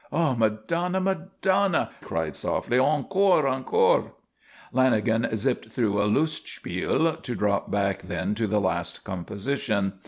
"O Madonna! Madonna!" she cried, softly. "Encore! Encore!" Lanagan zipped through a lustspeil, to drop back then to the Last Composition.